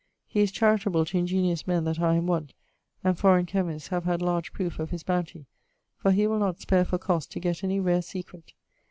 He is charitable to ingeniose men that are in want, and foreigne chymists have had large proofe of his bountie, for he will not spare for cost to gett any rare secret.